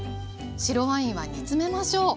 白ワインは煮詰めましょう。